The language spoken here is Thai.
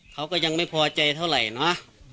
เขาก็ยังไม่พอใจเท่าไหร่นะ